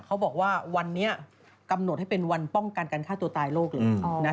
เขาบอกว่าวันนี้กำหนดให้เป็นวันป้องกันการฆ่าตัวตายโลกเลยนะ